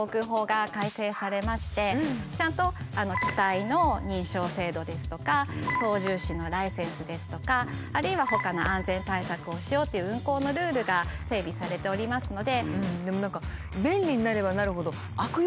ちゃんと機体の認証制度ですとか操縦士のライセンスですとかあるいはほかの安全対策をしようという運航のルールが整備されておりますので。